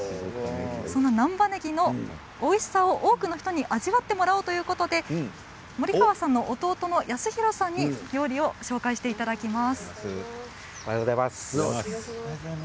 そんな難波ねぎのおいしさを多くの人に味わってもらおうということで森川さんの弟の泰宏さんに料理を紹介していただきます。